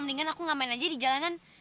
mendingan aku ngamen aja di jalanan